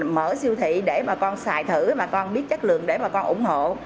mở siêu thị để bà con xài thử bà con biết chất lượng để bà con ủng hộ